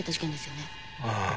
ああ。